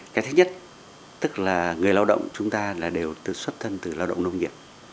cái thứ nhất tức là người lao động chúng ta là đều xuất thân từ lao động nông nghiệp